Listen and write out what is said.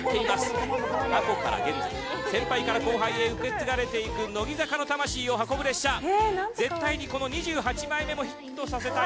過去から現在先輩から後輩へ受け継がれていく乃木坂４６の魂を運ぶ列車絶対にこの２８枚目もヒットさせたい